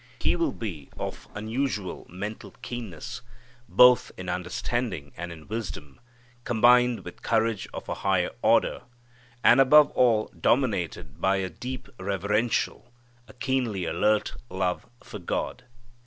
He will be of unusual mental keenness both in understanding and in wisdom, combined with courage of a high order, and, above all, dominated by a deep reverential, a keenly alert, love for God.